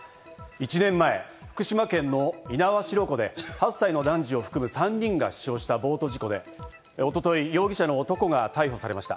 １年前、福島県の猪苗代湖で８歳の男児を含む３人が死傷したボート事故で一昨日、容疑者の男が逮捕されました。